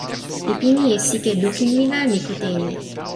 mi pini e sike lukin mi la mi kute e ni.